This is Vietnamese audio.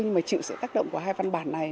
nhưng mà chịu sự tác động của hai văn bản này